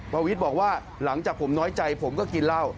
ประวิทย์บอกว่าหลังจากผมน้อยใจผมก็กินเหล้า